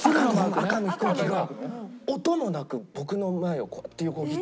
赤の飛行機が音もなく僕の前をこうやって横切って。